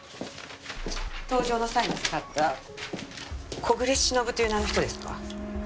搭乗の際に使った小暮しのぶという名の人ですか？